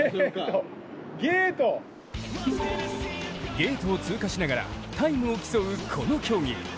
ゲートを通過しながらタイムを競うこの競技。